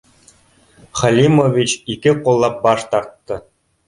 Халимович ике ҡуллап баш тартты: